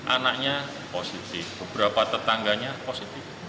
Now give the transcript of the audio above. anaknya positif beberapa tetangganya positif